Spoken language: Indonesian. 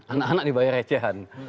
anak anak dibayar recehan